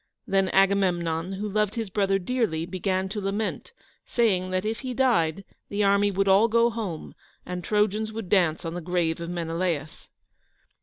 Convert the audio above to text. Then Agamemnon, who loved his brother dearly, began to lament, saying that if he died, the army would all go home and Trojans would dance on the grave of Menelaus.